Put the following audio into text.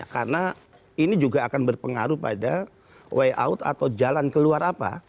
karena ini juga akan berpengaruh pada way out atau jalan keluar apa